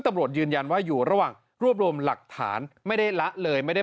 พระอาจารย์ออสบอกว่าอาการของคุณแป๋วผู้เสียหายคนนี้อาจจะเกิดจากหลายสิ่งประกอบกัน